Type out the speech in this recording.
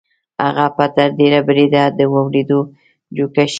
هغه به تر ډېره بریده د اورېدو جوګه شي